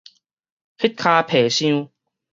彼跤皮箱